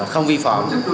không vi phạm